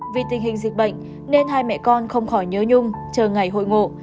vì tình hình dịch bệnh nên hai mẹ con không khỏi nhớ nhung chờ ngày hội ngộ